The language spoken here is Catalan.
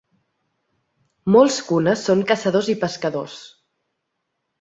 Molts Kuna són caçadors i pescadors.